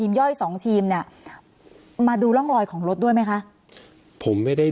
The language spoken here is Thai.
ย่อยสองทีมเนี่ยมาดูร่องรอยของรถด้วยไหมคะผมไม่ได้